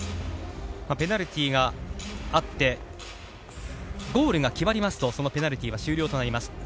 ペナルティがあって、ゴールが決まりますと、そのペナルティーは終了となります。